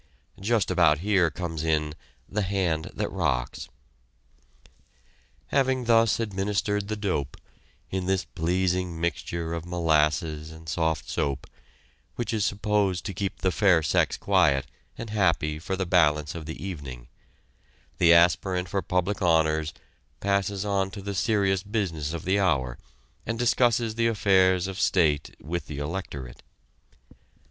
Just about here comes in "the hand that rocks!" Having thus administered the dope, in this pleasing mixture of molasses and soft soap, which is supposed to keep the "fair sex" quiet and happy for the balance of the evening, the aspirant for public honors passes on to the serious business of the hour, and discusses the affairs of state with the electorate.